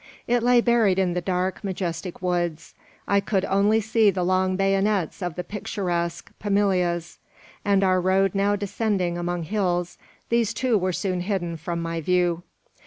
It lay buried in the dark, majestic woods. I could only see the long bayonets of the picturesque palmillas; and our road now descending among hills, these too were soon hidden from my view.